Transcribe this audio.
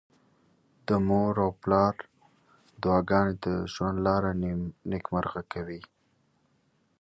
د مور او پلار دعاګانې د ژوند لاره نېکمرغه کوي.